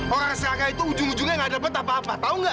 orang seraka itu ujung ujungnya gak dapet apa apa tau gak